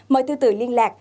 mời thư tử liên lạc